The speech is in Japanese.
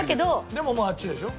でもまああっちでしょ？